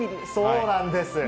そうなんです。